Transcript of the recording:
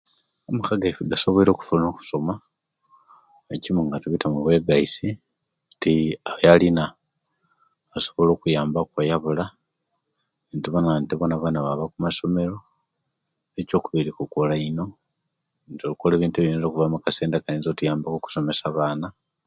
Amaka gaisuwe gasoboire okufuna okusoma ekimu nga tubita mubwegaisi nti oyo alina asobola okyambaku oyo abula nitubona nti bonabona baba kusoma nikyokubiri kukola ino nga okola ebintu akayinza okuvamu akasente okusomesa abaana